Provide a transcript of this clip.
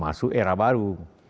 masuk era baru